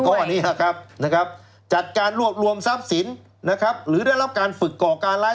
ก้อนี้ล่ะครับจัดการรวบรวมทรัพย์สินหรือได้รับการฝึกก่อการร้าย